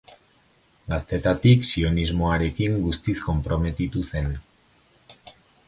Gaztetatik sionismoarekin guztiz konprometitu zen.